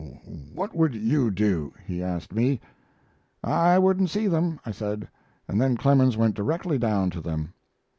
"What would you do?" he asked me. "I wouldn't see them," I said, and then Clemens went directly down to them.